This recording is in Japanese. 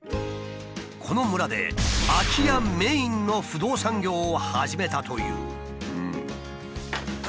この村で空き家メインの不動産業を始めたという。